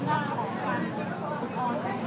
และที่อยู่ด้านหลังคุณยิ่งรักนะคะก็คือนางสาวคัตยาสวัสดีผลนะคะ